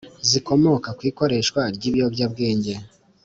zikomoka ku ikoreshwa ry’ibiyobyabwenge.